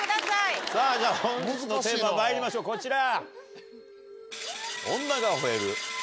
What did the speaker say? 本日のテーマまいりましょうこちら！